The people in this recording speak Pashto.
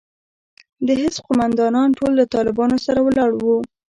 د حزب قومندانان ټول له طالبانو سره ولاړ وو.